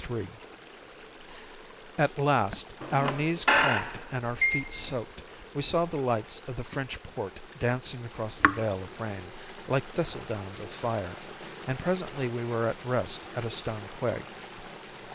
III At last, our knees cramped and our feet soaked, we saw the lights of the French port dancing across the veil of rain, like thistledowns of fire, and presently we were at rest at a stone quay.